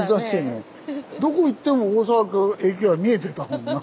どこ行っても大阪駅が見えてたもんな。